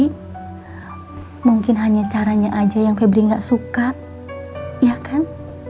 tapi mungkin hanya caranya aja yang febri nggak suka ya kan